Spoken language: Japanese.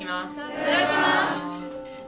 いただきます。